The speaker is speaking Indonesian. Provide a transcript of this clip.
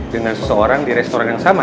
dengan seseorang di restoran yang sama